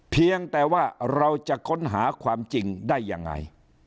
เพียงแต่ว่าเราจะค้นหาความจริงได้ยังไง